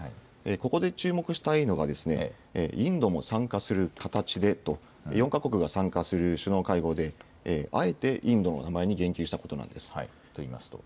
ここで注目したいのが、インドも参加する形でと、４か国が参加する首脳会合で、あえてインドの名といいますと。